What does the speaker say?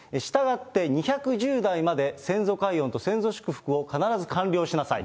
したがって２１０代まで先祖解怨と先祖祝福を必ず完了しなさい。